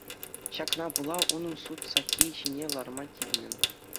Ҫакна пула унӑн суд сакки ҫине ларма тивнӗ.